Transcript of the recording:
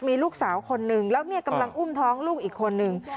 มีลูกสาวคนนึงแล้วเนี่ยกำลังอุ้มท้องลูกอีกคนนึง